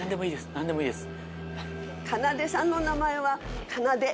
何でもいいです。